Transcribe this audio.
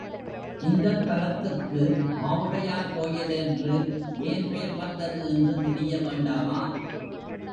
இந்தத்தலத்துக்கு ஆவுடையார் கோயில் என்று ஏன் பெயர் வந்தது என்று தெரிய வேண்டாமா?